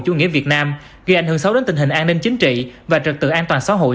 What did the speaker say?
chủ nghĩa việt nam gây ảnh hưởng xấu đến tình hình an ninh chính trị và trực tự an toàn xã hội